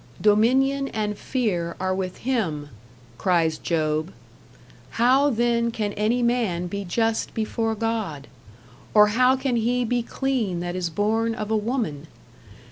"Dominion and fear are with Him," cries Job. "How then can any man be just before God? Or how can he be clean that is born of a woman?